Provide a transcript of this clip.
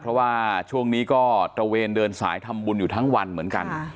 เพราะว่าช่วงนี้ก็ตระเวนเดินสายทำบุญอยู่ทั้งวันเหมือนกัน